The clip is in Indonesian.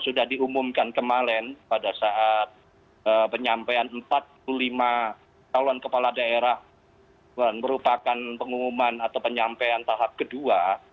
sudah diumumkan kemarin pada saat penyampaian empat puluh lima calon kepala daerah merupakan pengumuman atau penyampaian tahap kedua